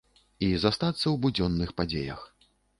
І застацца ў будзённых падзеях.